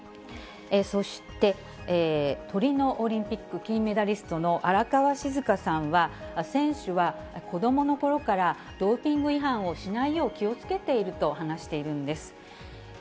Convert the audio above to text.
そして、トリノオリンピック金メダリストの荒川静香さんは、選手は子どものころからドーピング違反をしないよう気をつけていると話しているんです。